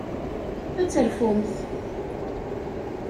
Ad terfumt.